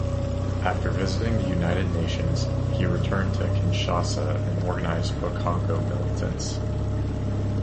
After visiting the United Nations, he returned to Kinshasa and organized Bakongo militants.